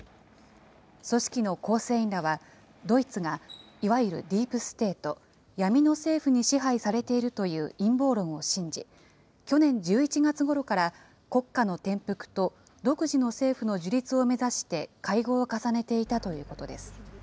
組織の構成員らは、ドイツがいわゆるディープステート・闇の政府に支配されているという陰謀論を信じ、去年１１月ごろから国家の転覆と独自の政府の樹立を目指して会合を重ねていたということです。